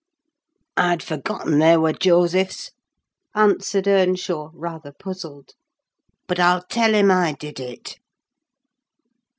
"I'd forgotten they were Joseph's," answered Earnshaw, rather puzzled; "but I'll tell him I did it."